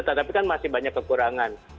tetapi kan masih banyak kekurangan